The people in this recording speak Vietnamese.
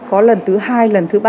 có lần thứ hai lần thứ ba